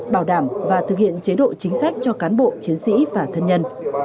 bảo đảm và thực hiện chế độ chính sách cho cán bộ chiến sĩ và thân nhân